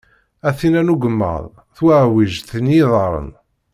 A tinn-a n ugemmaḍ, tuɛwijt n yiḍarren.